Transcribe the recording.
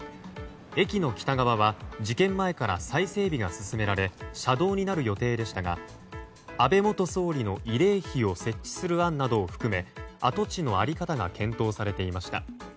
駅の北側は事件前から再整備が進められ車道になる予定でしたが安倍元総理の慰霊碑を設置する案などを含め跡地の在り方が検討されていました。